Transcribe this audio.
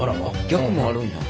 逆もあるんや。